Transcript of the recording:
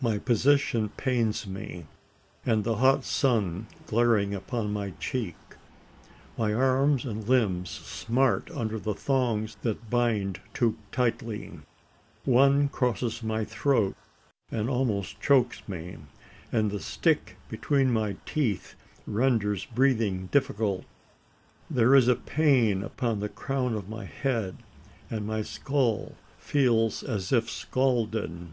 My position pains me and the hot sun glaring upon my cheek. My arms and limbs smart under thongs that bind too tightly. One crosses my throat that almost chokes me, and the stick between my teeth renders breathing difficult. There is a pain upon the crown of my head, and my skull feels as if scalded.